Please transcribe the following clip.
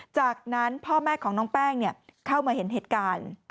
จากนั้นพ่อแม่ของน้องแป้งเข้ามาเห็นเหตุการณ์